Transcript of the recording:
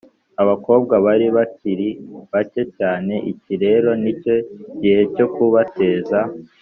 abakobwa bari bakiri bake cyane. Iki rero ni cyo gihe cyo kubateza